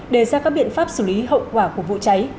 đề ra các biện pháp xử lý hậu quả của vụ cháy